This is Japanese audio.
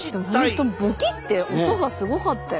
本当ボキッて音がすごかったよ。